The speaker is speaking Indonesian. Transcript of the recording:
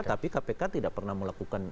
tetapi kpk tidak pernah melakukan